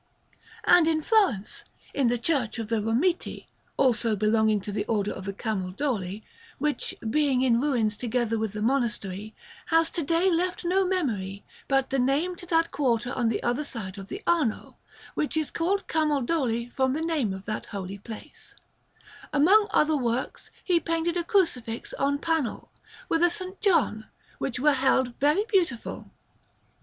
And in Florence, in the Church of the Romiti (also belonging to the Order of Camaldoli), which, being in ruins together with the monastery, has to day left no memory but the name to that quarter on the other side of the Arno, which is called Camaldoli from the name of that holy place, among other works, he painted a Crucifix on panel, with a S. John, which were held very beautiful.